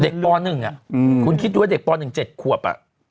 คุณคิดว่าเด็กป่อนึง๗ขวบ